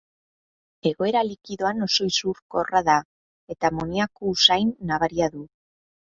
Egoera likidoan oso isurkorra da, eta amoniako-usain nabaria du.